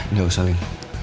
nggak usah lin